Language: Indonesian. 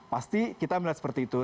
pasti kita melihat seperti itu